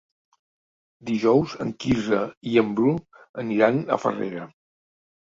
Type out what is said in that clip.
Dijous en Quirze i en Bru aniran a Farrera.